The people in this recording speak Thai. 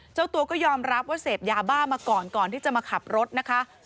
เจ้าตัวก็ยอมรับว่าเสพยาบ้ามาก่อนก่อนที่จะมาขับรถนะคะ